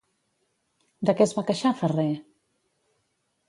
De què es va queixar Ferrer?